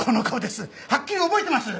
はっきり覚えてます。